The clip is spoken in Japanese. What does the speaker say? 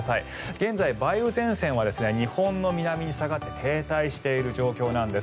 現在、梅雨前線は日本の南に下がって停滞している状況なんです。